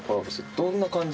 どんな感じ？